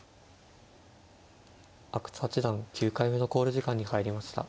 阿久津八段９回目の考慮時間に入りました。